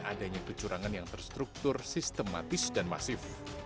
adanya kecurangan yang terstruktur sistematis dan masif